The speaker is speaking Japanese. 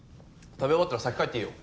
食べ終わったら先帰っていいよ。